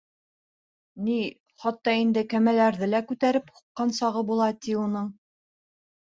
Ни, хатта инде кәмәләрҙе лә күтәреп һуҡҡан сағы була, ти, уның.